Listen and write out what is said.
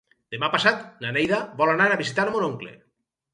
Demà passat na Neida vol anar a visitar mon oncle.